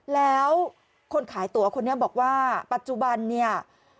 แล้วคนขายตัวคนนี้บอกว่าปัจจุบันเนี่ย